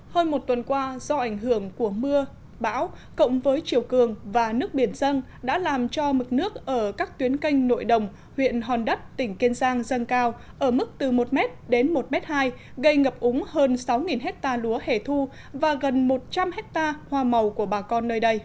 hơn một tuần qua do ảnh hưởng của mưa bão cộng với chiều cường và nước biển dân đã làm cho mực nước ở các tuyến canh nội đồng huyện hòn đất tỉnh kiên giang dâng cao ở mức từ một m đến một m hai gây ngập úng hơn sáu hectare lúa hẻ thu và gần một trăm linh hectare hoa màu của bà con nơi đây